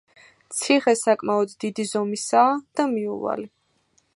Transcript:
ციხე საკმაოდ დიდი ზომისაა და მიუვალი.